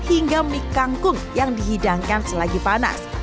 hingga mie kangkung yang dihidangkan selagi panas